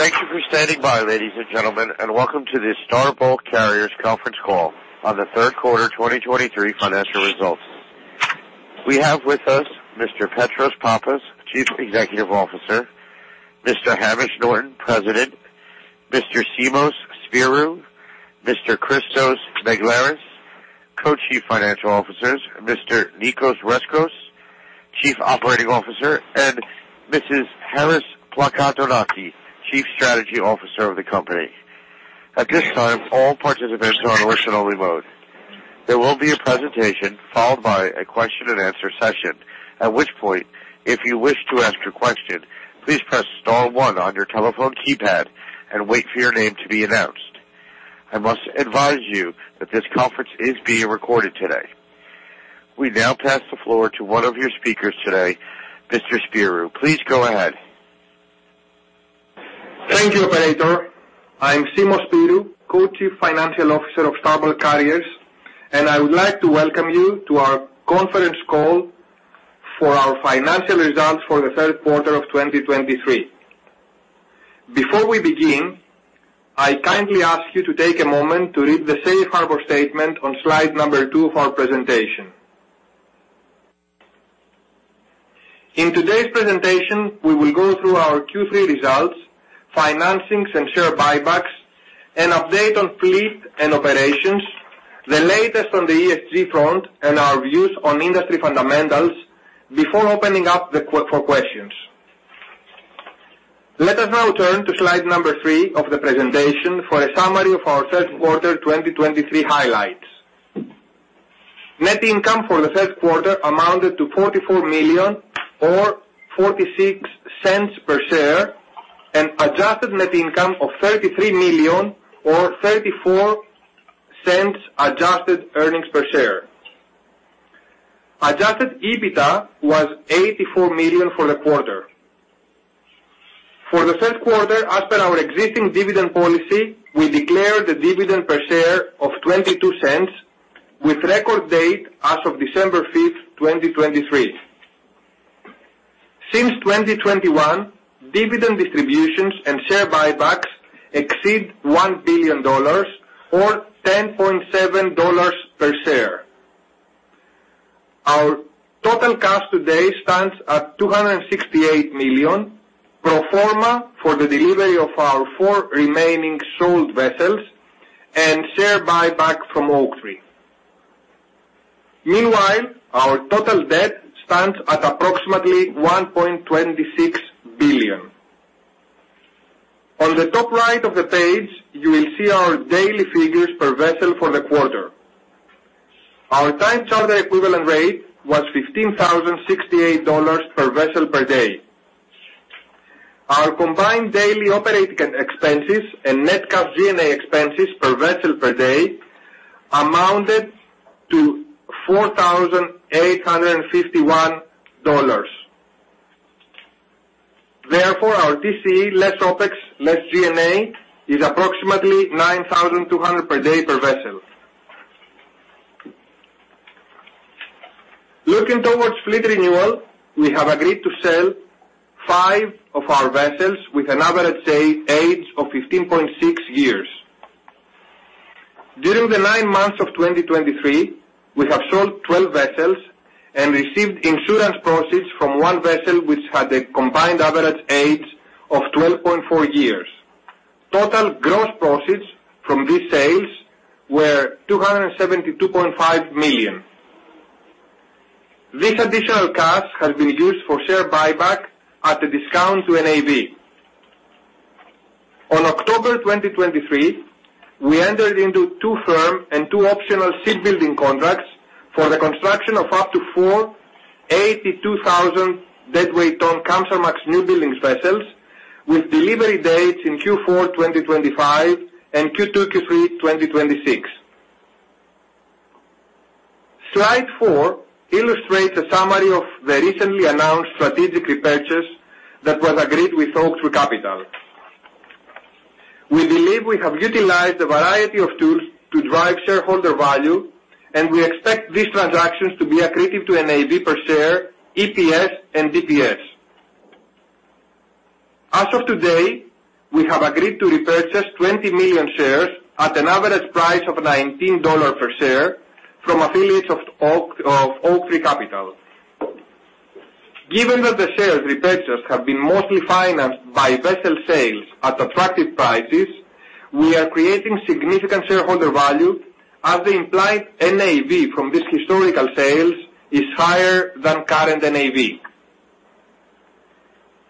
Thank you for standing by, ladies and gentlemen, and welcome to the Star Bulk Carriers Conference Call on the Third Quarter 2023 Financial Results. We have with us Mr. Petros Pappas, Chief Executive Officer, Mr. Hamish Norton, President, Mr. Simos Spyrou, Mr. Christos Begleris, Co-Chief Financial Officers, Mr. Nicos Rescos, Chief Operating Officer, and Mrs. Charis Plakantonaki, Chief Strategy Officer of the company. At this time, all participants are on listen-only mode. There will be a presentation followed by a question and answer session, at which point, if you wish to ask your question, please press star one on your telephone keypad and wait for your name to be announced. I must advise you that this conference is being recorded today. We now pass the floor to one of your speakers today, Mr. Spyrou. Please go ahead. Thank you, operator. I'm Simos Spyrou, Co-Chief Financial Officer of Star Bulk Carriers, and I would like to welcome you to our conference call for our Financial Results for the Third Quarter of 2023. Before we begin, I kindly ask you to take a moment to read the safe harbor statement on slide number two of our presentation. In today's presentation, we will go through our Q3 results, financings and share buybacks, an update on fleet and operations, the latest on the ESG front, and our views on industry fundamentals before opening up the Q&A for questions. Let us now turn to slide number three of the presentation for a summary of our third quarter 2023 highlights. Net income for the third quarter amounted to $44 million or $0.46 per share, and adjusted net income of $33 million or $0.34 adjusted earnings per share. Adjusted EBITDA was $84 million for the quarter. For the third quarter, as per our existing dividend policy, we declared the dividend per share of $0.22, with record date as of December 5th, 2023. Since 2021, dividend distributions and share buybacks exceed $1 billion or $10.7 per share. Our total cash today stands at $268 million pro forma for the delivery of our four remaining sold vessels and share buyback from Oaktree. Meanwhile, our total debt stands at approximately $1.26 billion. On the top right of the page, you will see our daily figures per vessel for the quarter. Our time charter equivalent rate was $15,068 per vessel per day. Our combined daily operating expenses and net cash G&A expenses per vessel per day amounted to $4,851. Therefore, our TCE, less OpEx, less G&A, is approximately $9,200 per day per vessel. Looking towards fleet renewal, we have agreed to sell five of our vessels with an average age of 15.6 years. During the nine months of 2023, we have sold 12 vessels and received insurance proceeds from one vessel, which had a combined average age of 12.4 years. Total gross proceeds from these sales were $272.5 million. This additional cash has been used for share buyback at a discount to NAV. On October 2023, we entered into two firm and two optional shipbuilding contracts for the construction of up to four 82,000 deadweight ton Kamsarmax newbuilding vessels, with delivery dates in Q4 2025 and Q2, Q3 2026. Slide four illustrates a summary of the recently announced strategic repurchase that was agreed with Oaktree Capital. We believe we have utilized a variety of tools to drive shareholder value, and we expect these transactions to be accretive to NAV per share, EPS, and DPS. As of today, we have agreed to repurchase 20 million shares at an average price of $19 per share from affiliates of Oaktree Capital. Given that the shares repurchased have been mostly financed by vessel sales at attractive prices, we are creating significant shareholder value as the implied NAV from this historical sales is higher than current NAV.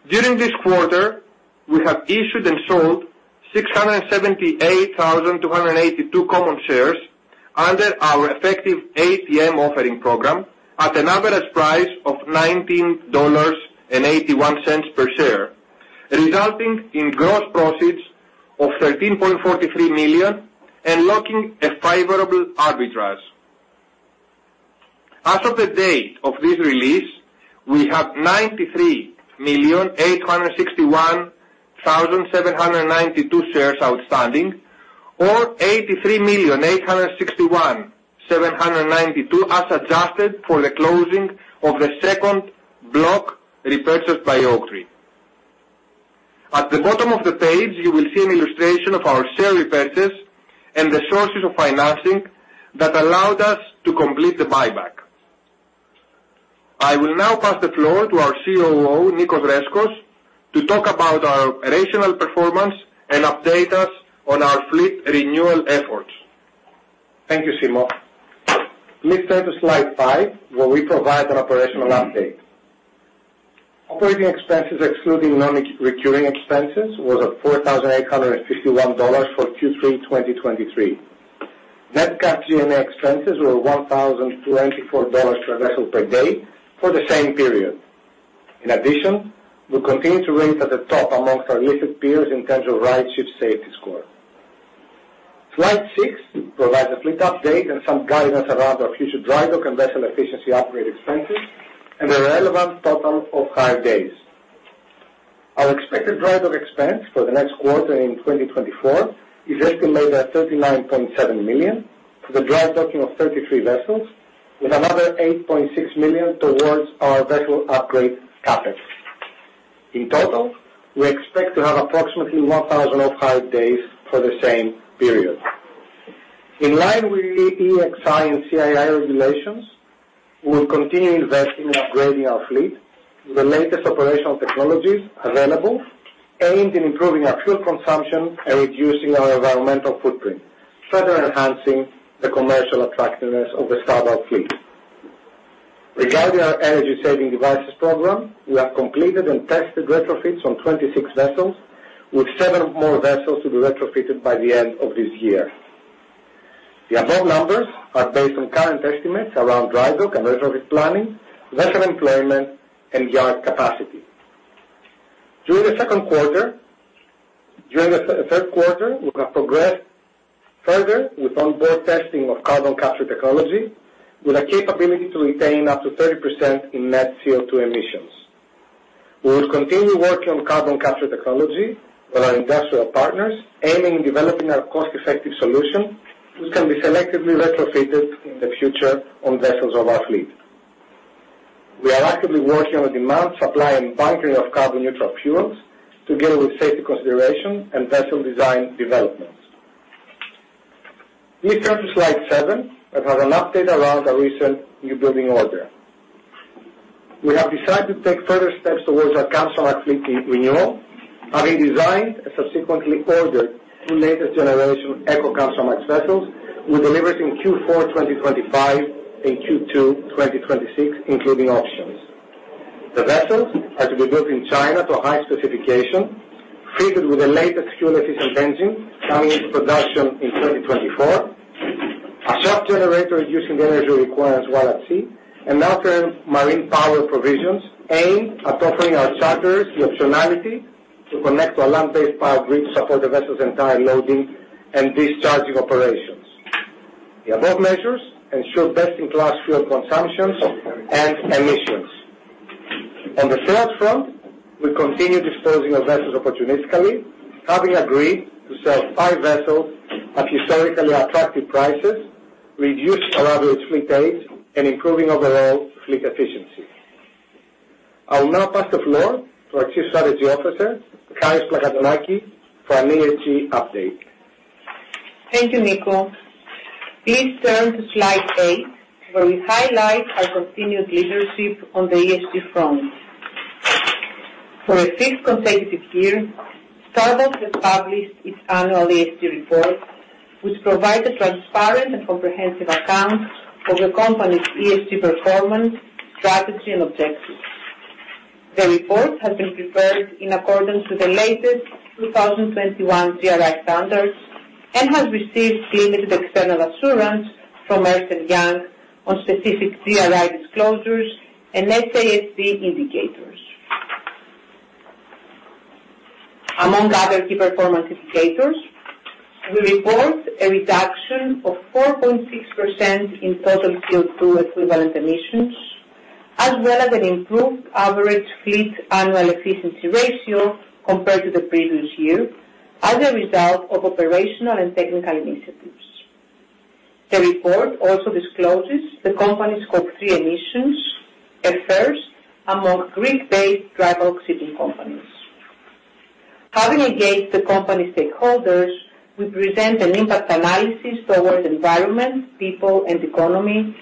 During this quarter, we have issued and sold 678,282 common shares under our effective ATM offering program at an average price of $19.81 per share, resulting in gross proceeds of $13.43 million and locking a favorable arbitrage. As of the date of this release, we have 93,861,792 shares outstanding or 83,861,792, as adjusted for the closing of the second block repurchased by Oaktree. At the bottom of the page, you will see an illustration of our share repurchase and the sources of financing that allowed us to complete the buyback. I will now pass the floor to our COO, Nicos Rescos, to talk about our operational performance and update us on our fleet renewal efforts. Thank you, Simos. Please turn to slide five, where we provide an operational update. Operating expenses, excluding non-recurring expenses, was at $4,851 for Q3 2023. Net cash G&A expenses were $1,024 per vessel per day for the same period. In addition, we continue to rank at the top amongst our listed peers in terms of RightShip Safety Score. Slide six provides a fleet update and some guidance around our future dry dock and vessel efficiency upgrade expenses and the relevant total off-hire days. Our expected dry dock expense for the next quarter in 2024 is estimated at $39.7 million for the dry docking of 33 vessels, with another $8.6 million towards our vessel upgrade CapEx. In total, we expect to have approximately 1,000 off-hire days for the same period. In line with EEXI and CII regulations, we'll continue investing in upgrading our fleet with the latest operational technologies available, aimed in improving our fuel consumption and reducing our environmental footprint, further enhancing the commercial attractiveness of the Star Bulk fleet. Regarding our energy-saving devices program, we have completed and tested retrofits on 26 vessels, with seven more vessels to be retrofitted by the end of this year. The above numbers are based on current estimates around dry dock and retrofit planning, vessel employment, and yard capacity. During the third quarter, we have progressed further with onboard testing of carbon capture technology, with a capability to retain up to 30% in net CO2 emissions. We will continue working on carbon capture technology with our industrial partners, aiming in developing a cost-effective solution which can be selectively retrofitted in the future on vessels of our fleet. We are actively working on demand, supply, and bunkering of carbon neutral fuels, together with safety consideration and vessel design developments. Please turn to slide seven, that has an update around our recent newbuilding order. We have decided to take further steps towards our Kamsarmax fleet renewal, having designed and subsequently ordered two latest generation Eco-Kamsarmax vessels, with deliveries in Q4 2025 and Q2 2026, including options. The vessels are to be built in China to a high specification, fitted with the latest fuel-efficient engine coming into production in 2024, a shaft generator reducing the energy requirements while at sea, and alternative marine power provisions aimed at offering our charters the optionality to connect to a land-based power grid to support the vessel's entire loading and discharging operations. The above measures ensure best-in-class fuel consumptions and emissions. On the sales front, we continue disposing of vessels opportunistically, having agreed to sell five vessels at historically attractive prices, reducing our average fleet age and improving overall fleet efficiency. I will now pass the floor to our Chief Strategy Officer, Charis Plakantonaki, for an ESG update. Thank you, Nicos. Please turn to slide eight, where we highlight our continued leadership on the ESG front. For a fifth consecutive year, Star Bulk has published its annual ESG report, which provides a transparent and comprehensive account of the company's ESG performance, strategy, and objectives. The report has been prepared in accordance with the latest 2021 GRI standards and has received limited external assurance from Ernst & Young on specific GRI disclosures and SASB indicators. Among other key performance indicators, we report a reduction of 4.6% in total CO2 equivalent emissions, as well as an improved average fleet annual efficiency ratio compared to the previous year as a result of operational and technical initiatives. The report also discloses the company's scope three emissions at first among Greek-based dry bulk shipping companies. Having engaged the company stakeholders, we present an impact analysis towards environment, people, and economy,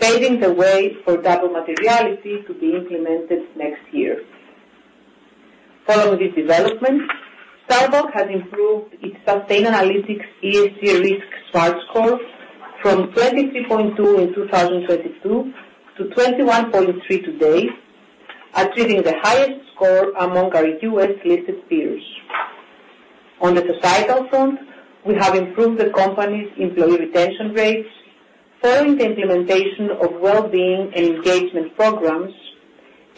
paving the way for double materiality to be implemented next year. Following this development, Star Bulk has improved its Sustainalytics ESG risk score from 23.2 in 2022 to 21.3 today, achieving the highest score among our U.S.-listed peers. On the societal front, we have improved the company's employee retention rates following the implementation of well-being and engagement programs,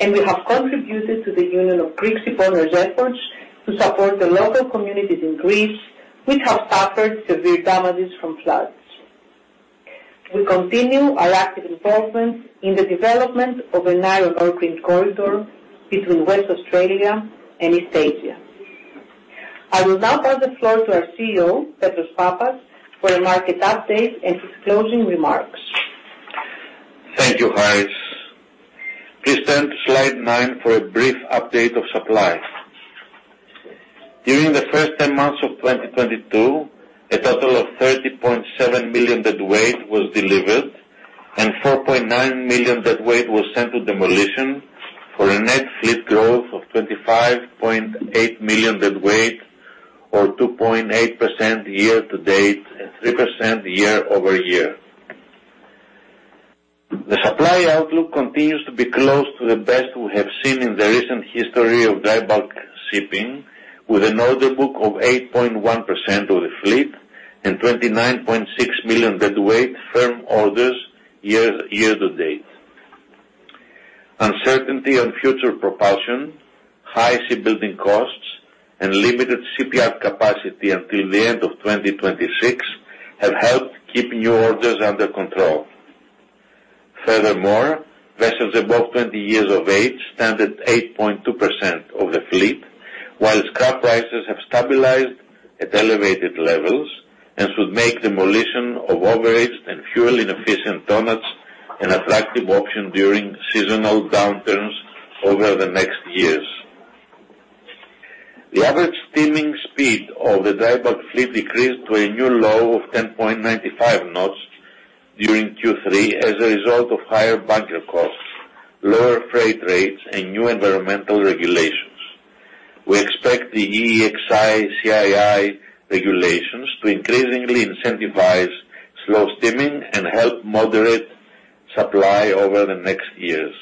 and we have contributed to the Union of Greek Shipowners' efforts to support the local communities in Greece, which have suffered severe damages from floods. We continue our active involvement in the development of a iron ore corridor between West Australia and East Asia. I will now pass the floor to our CEO, Petros Pappas, for a market update and his closing remarks. Thank you, Charis. Please turn to slide nine for a brief update of supply. During the first 10 months of 2022, a total of 30.7 million deadweight was delivered, and 4.9 million deadweight was sent to demolition, for a net fleet growth of 25.8 million deadweight, or 2.8% year-to-date, and 3% year-over-year. The supply outlook continues to be close to the best we have seen in the recent history of dry bulk shipping, with an order book of 8.1% of the fleet and 29.6 million deadweight firm orders year-to-date. Uncertainty on future propulsion, high ship building costs, and limited shipyard capacity until the end of 2026 have helped keep new orders under control. Furthermore, vessels above 20 years of age stand at 8.2% of the fleet, while scrap prices have stabilized at elevated levels and should make demolition of overaged and fuel-inefficient tonnages an attractive option during seasonal downturns over the next years. The average steaming speed of the dry bulk fleet decreased to a new low of 10.95 knots during Q3 as a result of higher bunker costs, lower freight rates, and new environmental regulations. We expect the EEXI, CII regulations to increasingly incentivize slow steaming and help moderate supply over the next years.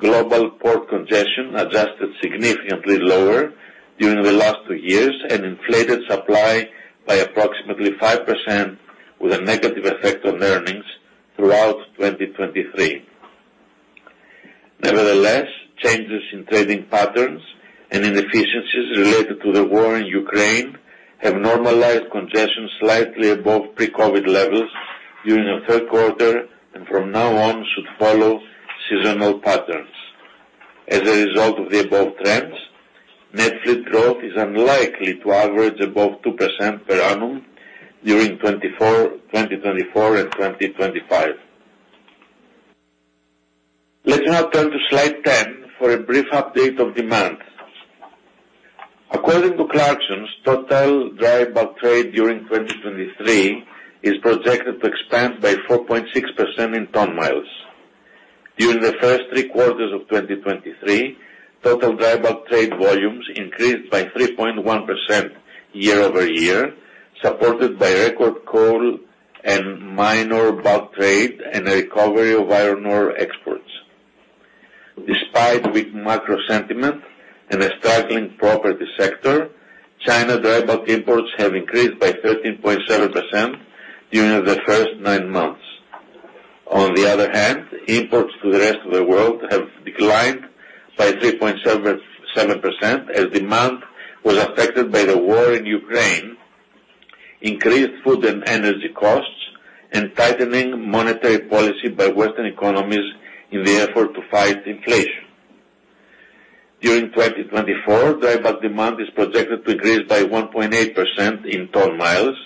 Global port congestion adjusted significantly lower during the last two years and inflated supply by approximately 5%, with a negative effect on earnings throughout 2023. Nevertheless, changes in trading patterns and inefficiencies related to the war in Ukraine have normalized congestion slightly above pre-COVID levels during the third quarter, and from now on should follow seasonal patterns. As a result of the above trends, net fleet growth is unlikely to average above 2% per annum during 2024, 2024 and 2025. Let's now turn to slide 10 for a brief update of demand. According to Clarksons, total dry bulk trade during 2023 is projected to expand by 4.6% in ton miles. During the first three quarters of 2023, total dry bulk trade volumes increased by 3.1% year-over-year, supported by record coal and minor bulk trade and a recovery of iron ore exports. Despite weak macro sentiment and a struggling property sector, China dry bulk imports have increased by 13.7% during the first nine months. On the other hand, imports to the rest of the world have declined by 3.77%, as demand was affected by the war in Ukraine, increased food and energy costs, and tightening monetary policy by Western economies in the effort to fight inflation. During 2024, dry bulk demand is projected to increase by 1.8% in ton miles,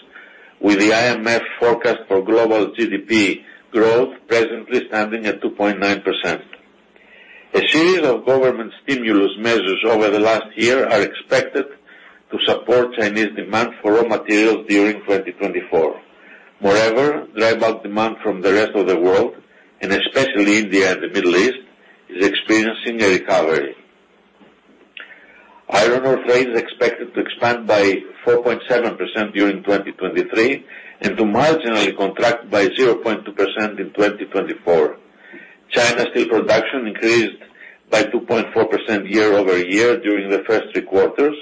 with the IMF forecast for global GDP growth presently standing at 2.9%. A series of government stimulus measures over the last year are expected to support Chinese demand for raw materials during 2024. Moreover, dry bulk demand from the rest of the world, and especially India and the Middle East, is experiencing a recovery. Iron ore trade is expected to expand by 4.7% during 2023, and to marginally contract by 0.2% in 2024. China steel production increased by 2.4% year-over-year during the first three quarters,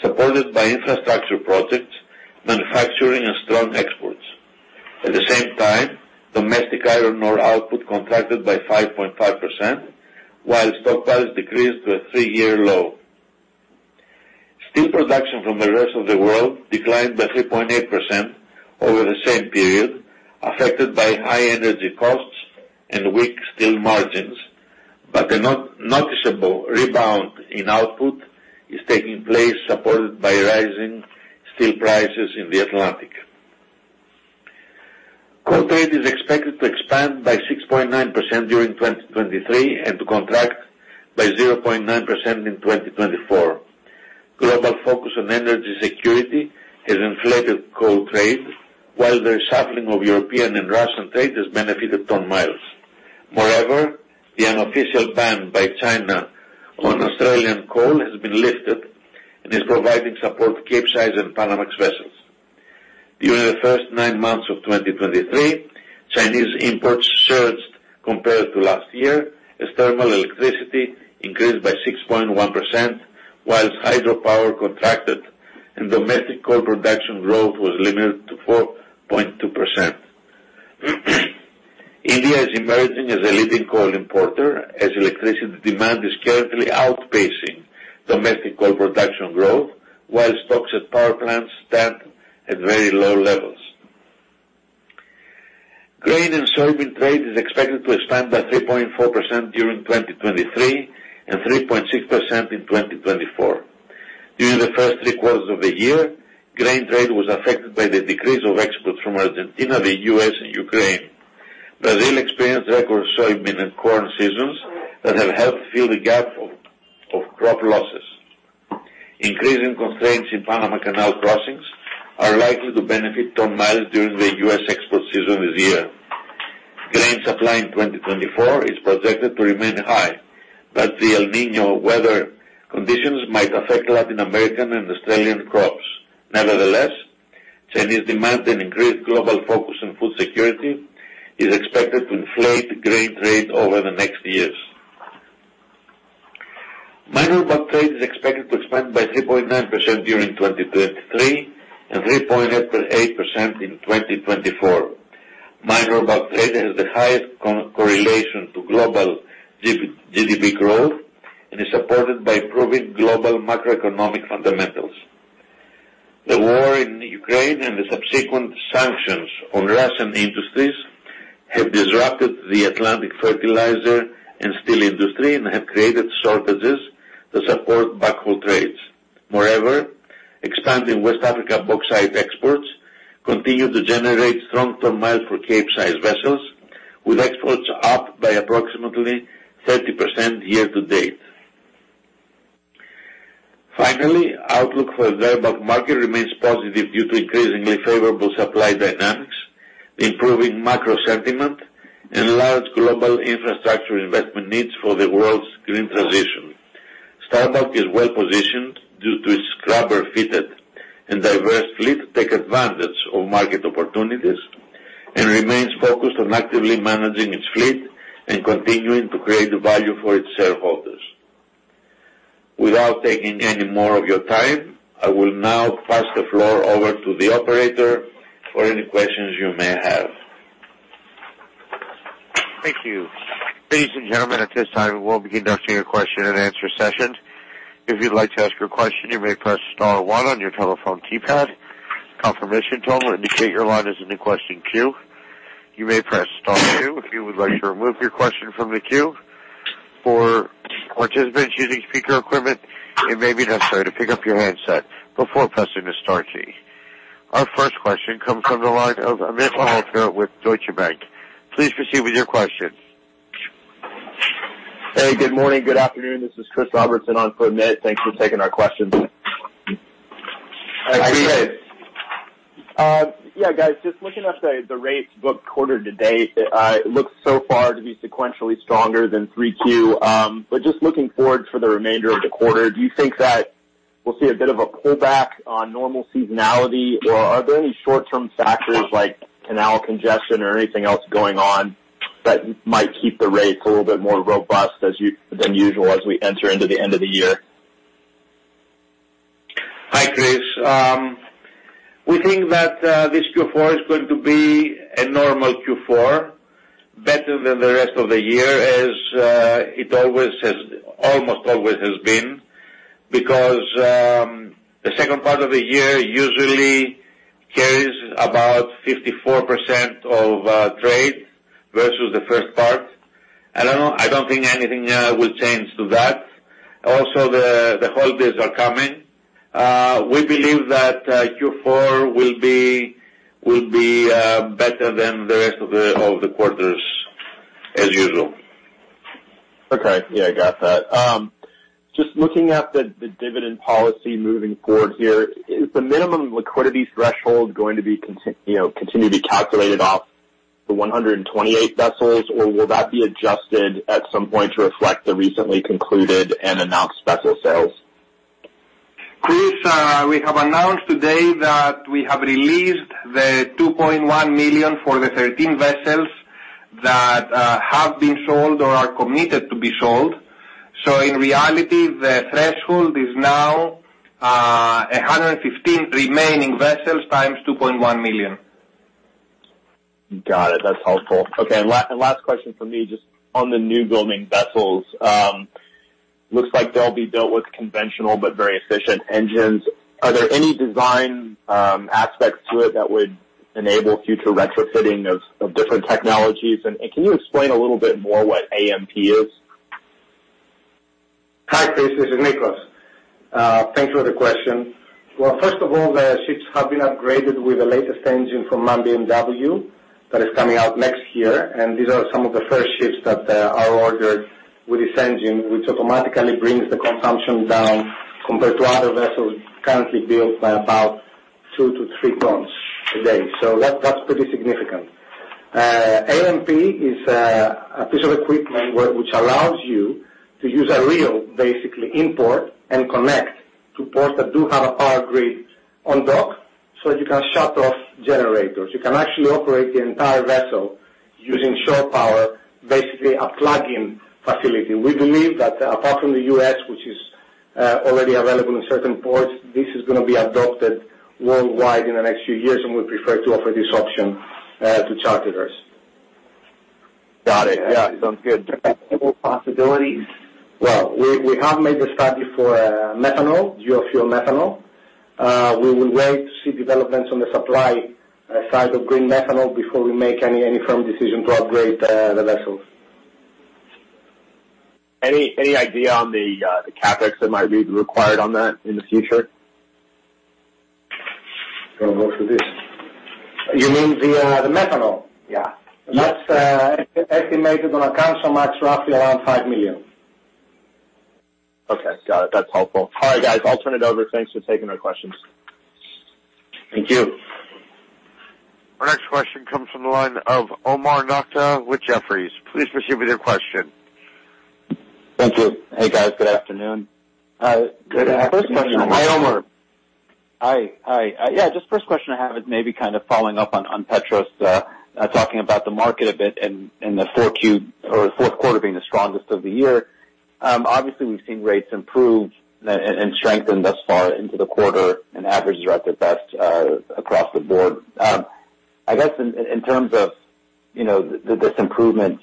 supported by infrastructure projects, manufacturing, and strong exports. At the same time, domestic iron ore output contracted by 5.5%, while stock prices decreased to a three-year low. Steel production from the rest of the world declined by 3.8% over the same period, affected by high energy costs and weak steel margins, but a noticeable rebound in output is taking place, supported by rising steel prices in the Atlantic. Coal trade is expected to expand by 6.9% during 2023, and to contract by 0.9% in 2024. Global focus on energy security has inflated coal trade, while the reshuffling of European and Russian trade has benefited ton miles. Moreover, the unofficial ban by China on Australian coal has been lifted and is providing support to Capesize and Panamax vessels. During the first nine months of 2023, Chinese imports surged compared to last year, as thermal electricity increased by 6.1%, while hydropower contracted and domestic coal production growth was limited to 4.2%. India is emerging as a leading coal importer, as electricity demand is currently outpacing domestic coal production growth, while stocks at power plants stand at very low levels. Grain and soybean trade is expected to expand by 3.4% during 2023 and 3.6% in 2024. During the first three quarters of the year, grain trade was affected by the decrease of exports from Argentina, the U.S. and Ukraine. Brazil experienced record soybean and corn seasons that have helped fill the gap of crop losses. Increasing constraints in Panama Canal crossings are likely to benefit ton mileage during the U.S. export season this year. Grain supply in 2024 is projected to remain high, but the El Niño weather conditions might affect Latin American and Australian crops. Nevertheless, Chinese demand and increased global focus on food security is expected to inflate grain trade over the next years. Minor bulk trade is expected to expand by 3.9% during 2023 and 3.8% in 2024. Minor bulk trade has the highest correlation to global GDP growth and is supported by improving global macroeconomic fundamentals. The war in Ukraine and the subsequent sanctions on Russian industries have disrupted the Atlantic fertilizer and steel industry and have created shortages that support backhaul trades. Moreover, expanding West Africa bauxite exports continue to generate strong ton miles for Capesize vessels, with exports up by approximately 30% year-to-date. Finally, outlook for the dry bulk market remains positive due to increasingly favorable supply dynamics, improving macro sentiment and large global infrastructure investment needs for the world's green transition. Star Bulk is well positioned due to its scrubber-fitted and diverse fleet, take advantage of market opportunities, and remains focused on actively managing its fleet and continuing to create value for its shareholders. Without taking any more of your time, I will now pass the floor over to the operator for any questions you may have. Thank you. Ladies and gentlemen, at this time, we'll begin the question and answer session. If you'd like to ask your question, you may press star one on your telephone keypad. Confirmation tone will indicate your line is in the question queue. You may press star two if you would like to remove your question from the queue. For participants using speaker equipment, it may be necessary to pick up your handset before pressing the star key. Our first question comes from the line of Amit Mehrotra with Deutsche Bank. Please proceed with your question. Hey, good morning. Good afternoon, this is Chris Robertson on for Amit. Thanks for taking our questions. Hi, Chris. Yeah, guys, just looking at the rates booked quarter-to-date, it looks so far to be sequentially stronger than three Q. But just looking forward for the remainder of the quarter, do you think that we'll see a bit of a pullback on normal seasonality, or are there any short-term factors like canal congestion or anything else going on that might keep the rates a little bit more robust as you- than usual as we enter into the end of the year? Hi, Chris. We think that this Q4 is going to be a normal Q4, better than the rest of the year, as it always has, almost always has been. Because the second part of the year usually carries about 54% of trade versus the first part. I don't know. I don't think anything will change to that. Also, the holidays are coming. We believe that Q4 will be better than the rest of the quarters as usual. Okay. Yeah, I got that. Just looking at the dividend policy moving forward here, is the minimum liquidity threshold going to be, you know, continue to be calculated off the 128 vessels, or will that be adjusted at some point to reflect the recently concluded and announced vessel sales? Chris, we have announced today that we have released the $2.1 million for the 13 vessels that have been sold or are committed to be sold. So in reality, the threshold is now 115 remaining vessels times $2.1 million. Got it. That's helpful. Okay, and last question for me, just on the newbuilding vessels. Looks like they'll be built with conventional but very efficient engines. Are there any design aspects to it that would enable future retrofitting of different technologies? And can you explain a little bit more what AMP is? Hi, Chris, this is Nicos. Thanks for the question. Well, first of all, the ships have been upgraded with the latest engine from MAN B&W that is coming out next year, and these are some of the first ships that are ordered with this engine, which automatically brings the consumption down compared to other vessels currently built by about two to three tons a day. So that, that's pretty significant. AMP is a piece of equipment which allows you to use a reel, basically import and connect to ports that do have a power grid on dock, so you can shut off generators. You can actually operate the entire vessel using shore power... basically a plug-in facility. We believe that apart from the U.S., which is already available in certain ports, this is going to be adopted worldwide in the next few years, and we prefer to offer this option to charterers. Got it. Yeah, sounds good. Any more possibilities? Well, we have made a study for methanol, dual-fuel methanol. We will wait to see developments on the supply side of green methanol before we make any firm decision to upgrade the vessels. Any idea on the CapEx that might be required on that in the future? Going to look for this. You mean the, the methanol? Yeah. That's estimated on a Kamsarmax, roughly around $5 million. Okay, got it. That's helpful. All right, guys, I'll turn it over. Thanks for taking my questions. Thank you. Our next question comes from the line of Omar Nokta with Jefferies. Please proceed with your question. Thank you. Hey, guys. Good afternoon. Hi. Good afternoon. Hi, Omar. Hi. Hi. Yeah, just first question I have is maybe kind of following up on, on Petros, talking about the market a bit and, and the fourth quarter being the strongest of the year. Obviously, we've seen rates improve and, and strengthen thus far into the quarter, and averages are at their best, across the board. I guess in, in terms of, you know, this improvement,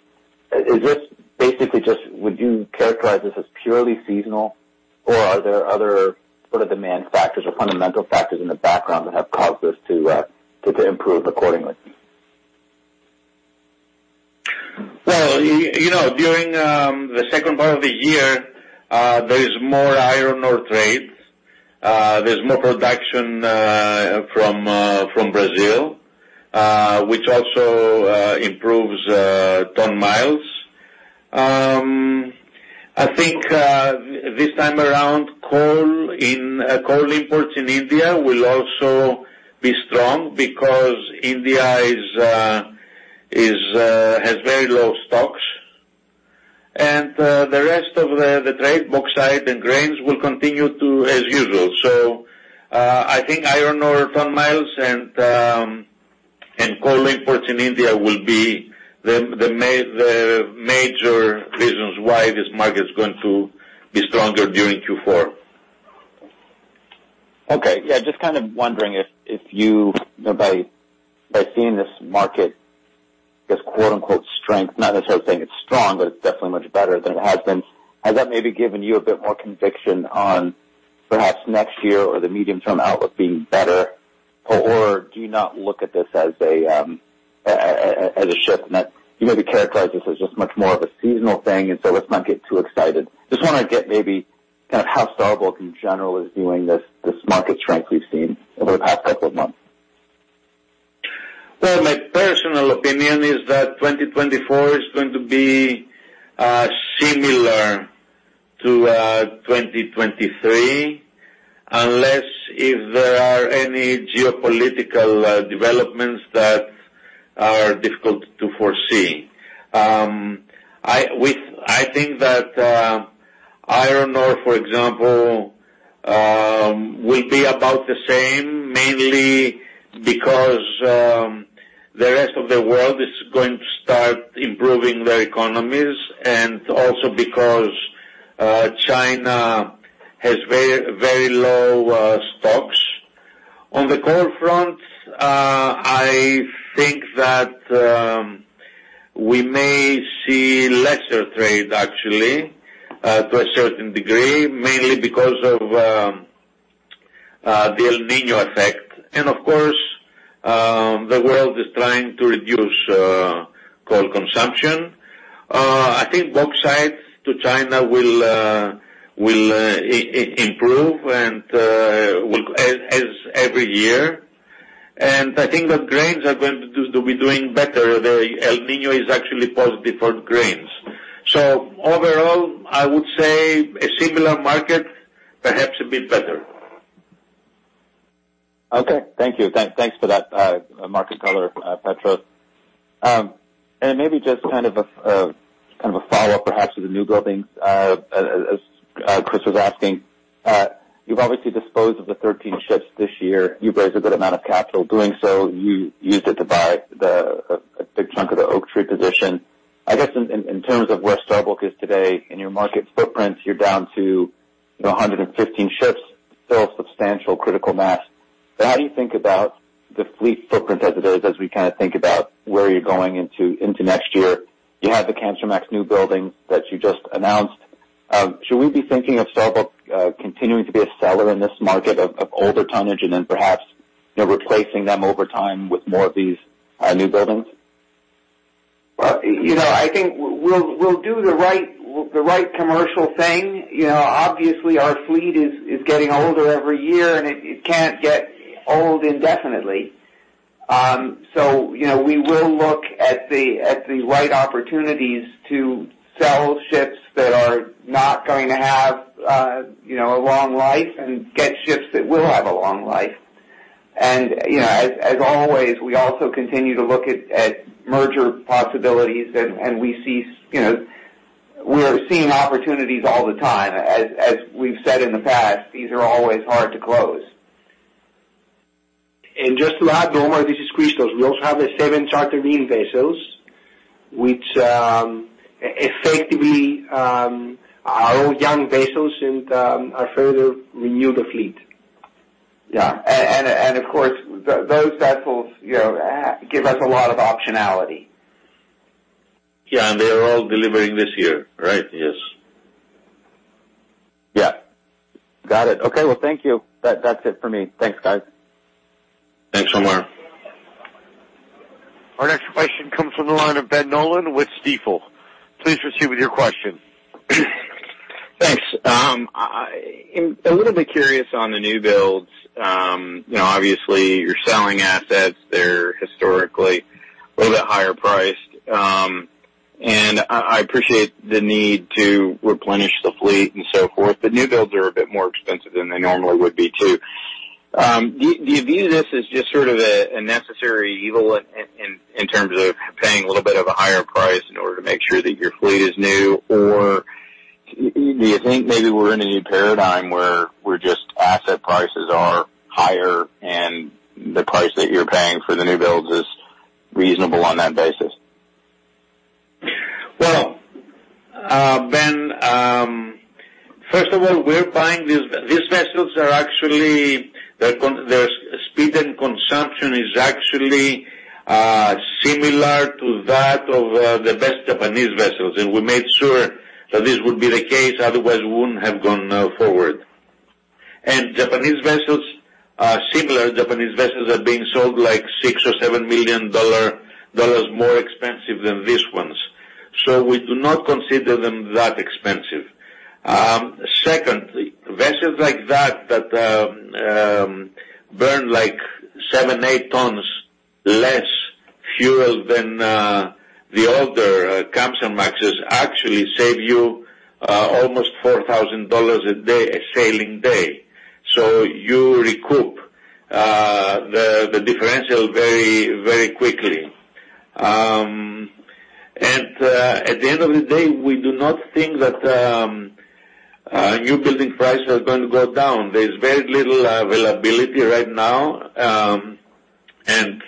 is this basically just would you characterize this as purely seasonal, or are there other sort of demand factors or fundamental factors in the background that have caused this to improve accordingly? Well, you know, during the second part of the year, there is more iron ore trades. There's more production from from Brazil, which also improves ton miles. I think this time around, coal in coal imports in India will also be strong because India is is has very low stocks. And the rest of the the trade, bauxite and grains, will continue to as usual. So I think iron ore ton miles and and coal imports in India will be the the ma- the major reasons why this market is going to be stronger during Q4. Okay. Yeah, just kind of wondering if, if you, you know, by, by seeing this market, this quote, unquote, "strength," not necessarily saying it's strong, but it's definitely much better than it has been. Has that maybe given you a bit more conviction on perhaps next year or the medium-term outlook being better? Or do you not look at this as a as a shift, and that you maybe characterize this as just much more of a seasonal thing, and so let's not get too excited? Just want to get maybe kind of how Star Bulk in general is viewing this, this market strength we've seen over the past couple of months. Well, my personal opinion is that 2024 is going to be similar to 2023, unless if there are any geopolitical developments that are difficult to foresee. I think that iron ore, for example, will be about the same, mainly because the rest of the world is going to start improving their economies and also because China has very, very low stocks. On the coal front, I think that we may see lesser trade actually, to a certain degree, mainly because of the El Niño effect. And of course, the world is trying to reduce coal consumption. I think bauxite to China will improve and will, as every year. And I think that grains are going to be doing better. The El Niño is actually positive for grains. So overall, I would say a similar market, perhaps a bit better. Okay. Thank you. Thank, thanks for that, market color, Petros. And maybe just kind of a follow-up, perhaps, to the new buildings, as Chris was asking. You've obviously disposed of the 13 ships this year. You've raised a good amount of capital doing so. You used it to buy a big chunk of the Oaktree position. I guess in terms of where Star Bulk is today, in your market footprints, you're down to, you know, 115 ships, still substantial critical mass. But how do you think about the fleet footprint as it is, as we kind of think about where you're going into next year? You have the Kamsarmax new building that you just announced. Should we be thinking of Star Bulk continuing to be a seller in this market of older tonnage and then perhaps, you know, replacing them over time with more of these new buildings? Well, you know, I think we'll do the right commercial thing. You know, obviously, our fleet is getting older every year, and it can't get old indefinitely. So you know, we will look at the right opportunities to sell ships that are not going to have, you know, a long life and get ships that will have a long life. And, you know, as always, we also continue to look at merger possibilities, and we see, you know, we are seeing opportunities all the time. As we've said in the past, these are always hard to close. And just to add, Omar, this is Christos. We also have the seven chartered main vessels, which, effectively, are all young vessels and further renew the fleet. Yeah, and of course, those vessels, you know, give us a lot of optionality. Yeah, and they are all delivering this year, right? Yes. Yeah. Got it. Okay, well, thank you. That-that's it for me. Thanks, guys. Thanks, Omar. Our next question comes from the line of Ben Nolan with Stifel. Please proceed with your question. Thanks. I'm a little bit curious on the new builds. You know, obviously, you're selling assets. They're historically a little bit higher priced, and I appreciate the need to replenish the fleet and so forth. The new builds are a bit more expensive than they normally would be, too. Do you view this as just sort of a necessary evil in terms of paying a little bit of a higher price in order to make sure that your fleet is new? Or do you think maybe we're in a new paradigm where we're just asset prices are higher, and the price that you're paying for the new builds is reasonable on that basis? Well, Ben, first of all, we're buying these—these vessels are actually their speed and consumption is actually similar to that of the best Japanese vessels, and we made sure that this would be the case. Otherwise, we wouldn't have gone forward. And Japanese vessels are similar. Japanese vessels are being sold like $6 million-$7 million more expensive than these ones, so we do not consider them that expensive. Secondly, vessels like that that burn like 7-8 tons less fuel than the older Kamsarmaxes actually save you almost $4,000 a day, a sailing day. So you recoup the differential very, very quickly. And at the end of the day, we do not think that newbuilding prices are going to go down. There's very little availability right now, and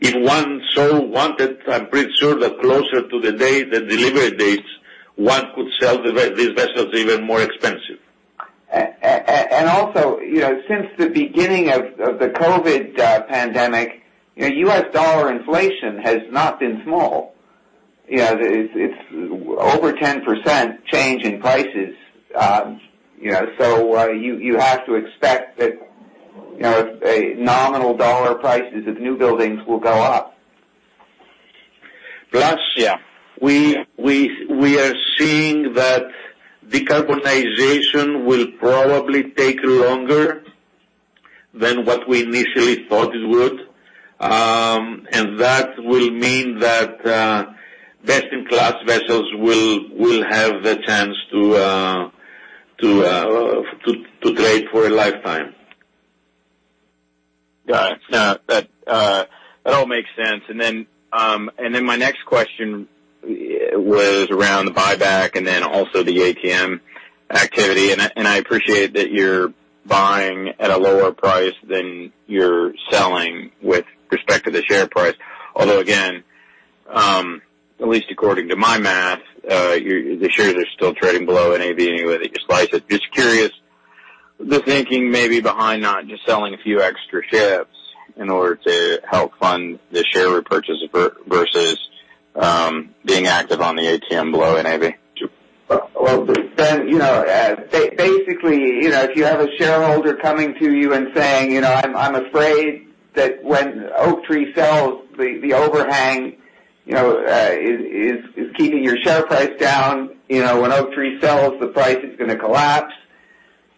if one so wanted, I'm pretty sure the closer to the day, the delivery dates, one could sell these vessels even more expensive. And also, you know, since the beginning of the COVID pandemic, you know, US dollar inflation has not been small. You know, it's over 10% change in prices. You know, so you have to expect that, you know, a nominal dollar prices of new buildings will go up. Plus- Yeah. We are seeing that decarbonization will probably take longer than what we initially thought it would. And that will mean that best-in-class vessels will have the chance to trade for a lifetime. Got it. Now, that, that all makes sense. And then, and then my next question was around the buyback and then also the ATM activity. And I, and I appreciate that you're buying at a lower price than you're selling with respect to the share price. Although, again, at least according to my math, your- the shares are still trading below NAV any way that you slice it. Just curious, the thinking may be behind not just selling a few extra ships in order to help fund the share repurchase ver- versus, being active on the ATM below NAV? Well, Ben, you know, basically, you know, if you have a shareholder coming to you and saying: "You know, I'm afraid that when Oaktree sells, the overhang, you know, is keeping your share price down. You know, when Oaktree sells, the price is going to collapse.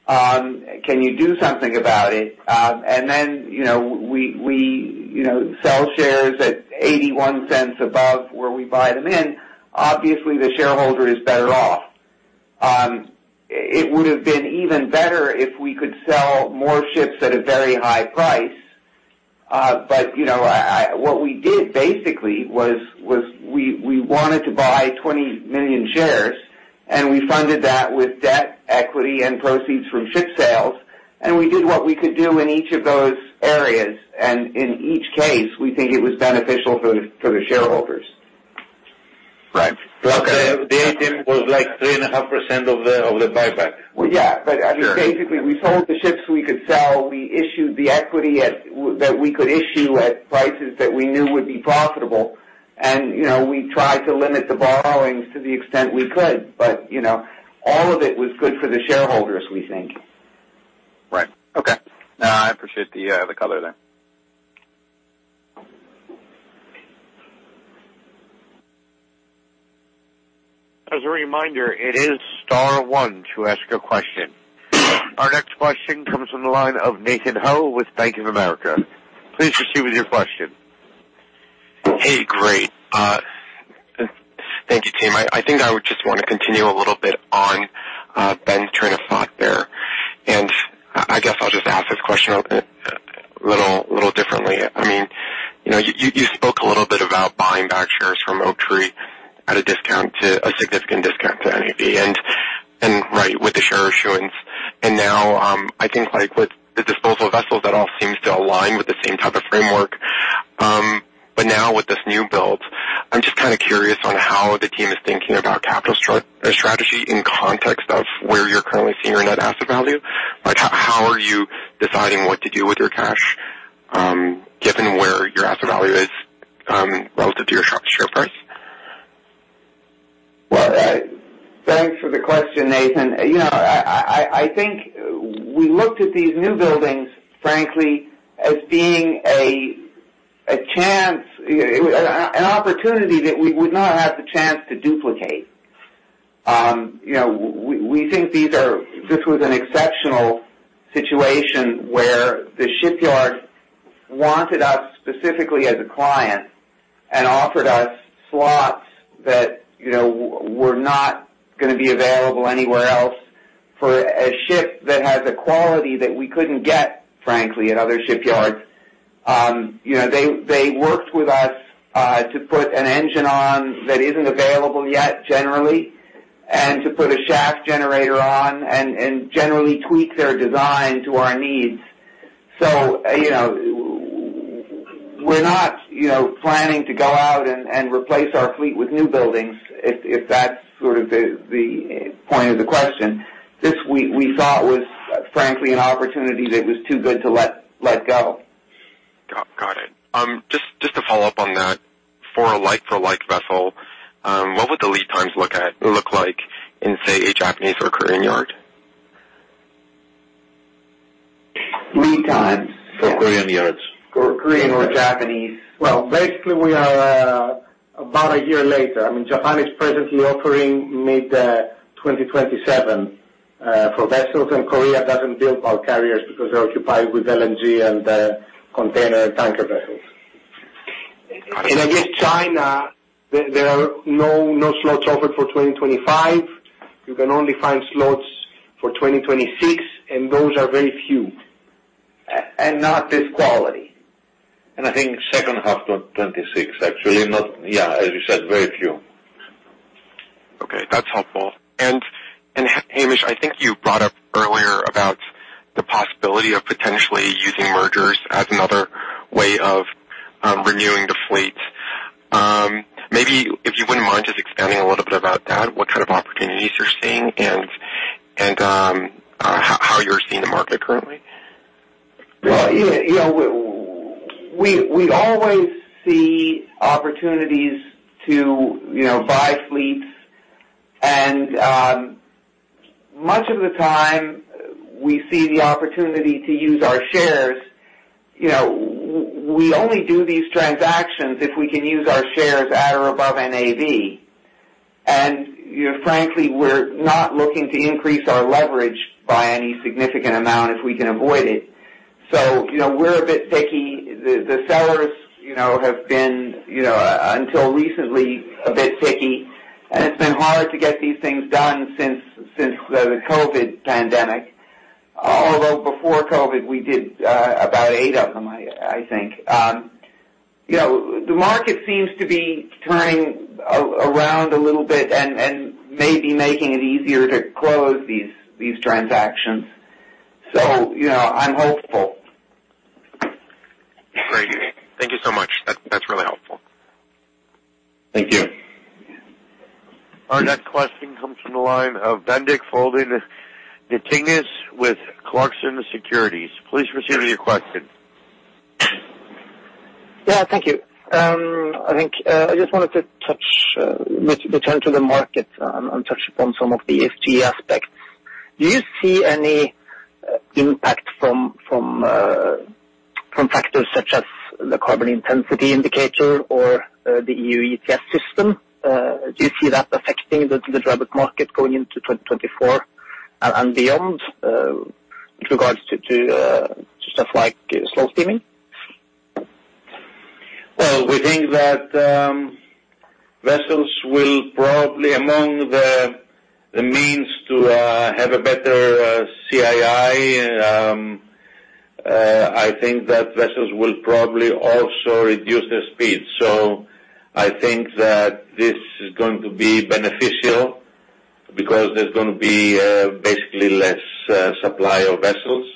Can you do something about it?" And then, you know, we sell shares at $0.81 above where we buy them in. Obviously, the shareholder is better off. It would have been even better if we could sell more ships at a very high price. But, you know, what we did basically was we wanted to buy 20 million shares, and we funded that with debt, equity, and proceeds from ship sales, and we did what we could do in each of those areas. In each case, we think it was beneficial for the shareholders. Right. Plus, the ATM was, like, 3.5% of the buyback. Well, yeah. Sure. But, I mean, basically, we sold the ships we could sell. We issued the equity at, that we could issue at prices that we knew would be profitable. And, you know, we tried to limit the borrowings to the extent we could, but, you know, all of it was good for the shareholders, we think. Right. Okay. No, I appreciate the color there. As a reminder, it is star one to ask a question. Our next question comes from the line of Nathan Ho with Bank of America. Please proceed with your question. Hey, great. Thank you, team. I think I would just want to continue a little bit on Ben's train of thought there. And I guess I'll just ask this question a little differently. I mean, you know, you spoke a little bit about buying back shares from Oaktree at a discount to a significant discount to NAV. And share issuances. And now, I think like with the disposal vessels, that all seems to align with the same type of framework. But now with this new build, I'm just kind of curious on how the team is thinking about capital strategy in context of where you're currently seeing your net asset value. Like, how are you deciding what to do with your cash, given where your asset value is, relative to your share price? Well, thanks for the question, Nathan. You know, I think we looked at these new buildings, frankly, as being a chance, an opportunity that we would not have the chance to duplicate. You know, we think this was an exceptional situation where the shipyard wanted us specifically as a client and offered us slots that, you know, were not going to be available anywhere else for a ship that has a quality that we couldn't get, frankly, at other shipyards. You know, they worked with us to put an engine on that isn't available yet, generally, and to put a shaft generator on and generally tweak their design to our needs. So, you know, we're not, you know, planning to go out and replace our fleet with newbuildings, if that's sort of the point of the question. This we thought was frankly an opportunity that was too good to let go. Got it. Just to follow up on that, for a like-for-like vessel, what would the lead times look like in, say, a Japanese or Korean yard? Three times? For Korean yards. For Korean or Japanese. Well, basically, we are about a year later. I mean, Japan is presently offering mid-2027 for vessels, and Korea doesn't build bulk carriers because they're occupied with LNG and container and tanker vessels. I guess China, there are no slots offered for 2025. You can only find slots for 2026, and those are very few. Not this quality. I think second half of 2026, actually. Yeah, as you said, very few. Okay, that's helpful. Hamish, I think you brought up earlier about the possibility of potentially using mergers as another way of renewing the fleet. Maybe if you wouldn't mind just expanding a little bit about that, what kind of opportunities you're seeing and how you're seeing the market currently? Well, yeah, you know, we, we always see opportunities to, you know, buy fleets, and much of the time, we see the opportunity to use our shares. You know, we only do these transactions if we can use our shares at or above NAV. And, you know, frankly, we're not looking to increase our leverage by any significant amount, if we can avoid it. So you know, we're a bit picky. The sellers, you know, have been, you know, until recently, a bit picky, and it's been hard to get these things done since the COVID pandemic. Although before COVID, we did about eight of them, I think. You know, the market seems to be turning around a little bit and maybe making it easier to close these transactions. So you know, I'm hopeful. Great. Thank you so much. That's, that's really helpful. Thank you. Our next question comes from the line of Bendik Folden Nyttingnes with Clarksons Securities. Please proceed with your question. Yeah, thank you. I think, I just wanted to touch, return to the market, and touch upon some of the ESG aspects. Do you see any, impact from, from, factors such as the carbon intensity indicator or, the EU ETS system? Do you see that affecting the, the dry bulk market going into 2024 and, and beyond, with regards to, to, stuff like slow steaming? Well, we think that vessels will probably among the means to have a better CII. I think that vessels will probably also reduce their speed. So I think that this is going to be beneficial because there's going to be basically less supply of vessels.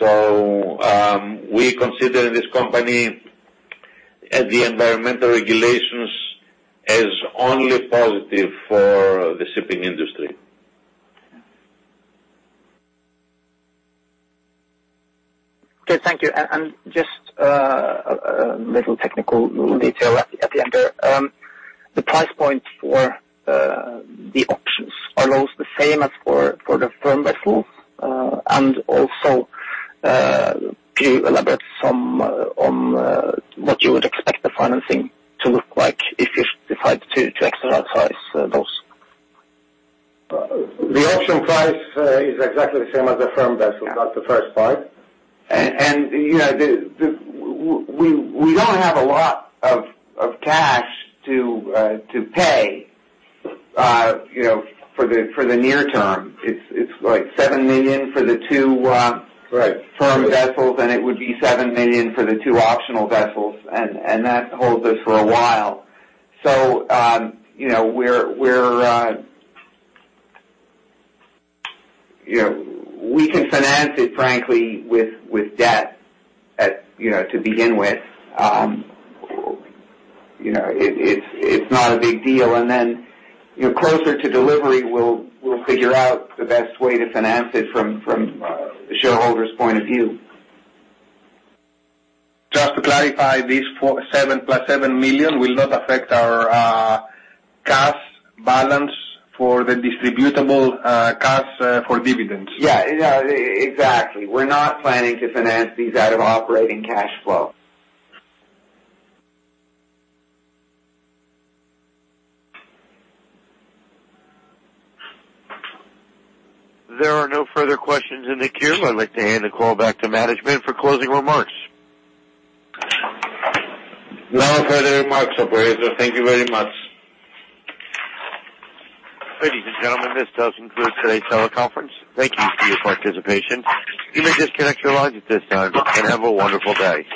So, we consider this company and the environmental regulations as only positive for the shipping industry. Okay. Thank you. And just a little technical detail at the end there. The price point for the options, are those the same as for the firm vessels? And also, can you elaborate some on what you would expect the financing to look like if you decide to exercise those? The option price is exactly the same as the firm vessel, that's the first part. And, you know, we don't have a lot of cash to pay, you know, for the near term. It's like $7 million for the two. Right. Firm vessels, and it would be $7 million for the two optional vessels, and that holds us for a while. So, you know, we're. You know, we can finance it frankly, with debt at, you know, to begin with. You know, it, it's not a big deal. And then, you know, closer to delivery, we'll figure out the best way to finance it from the shareholder's point of view. Just to clarify, this $47 million + $7 million will not affect our cash balance for the distributable cash for dividends. Yeah, yeah, exactly. We're not planning to finance these out of operating cash flow. There are no further questions in the queue. I'd like to hand the call back to management for closing remarks. No further remarks, operator. Thank you very much. Ladies and gentlemen, this does conclude today's teleconference. Thank you for your participation. You may disconnect your lines at this time, and have a wonderful day.